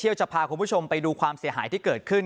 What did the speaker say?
จะพาคุณผู้ชมไปดูความเสียหายที่เกิดขึ้น